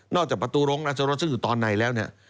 จากประตูรงราชรสซึ่งอยู่ตอนไหนแล้วเนี่ย